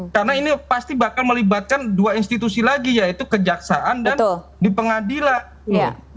karena ini pasti bakal melibatkan dua institusi lagi yaitu kejaksaan dan dipengadilan